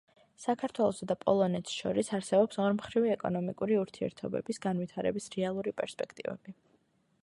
საქართველოსა და პოლონეთს შორის არსებობს ორმხრივი ეკონომიკური ურთიერთობების განვითარების რეალური პერსპექტივები.